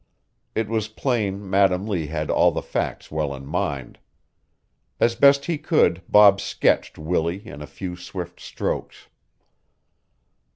It was plain Madam Lee had all the facts well in mind. As best he could Bob sketched Willie in a few swift strokes.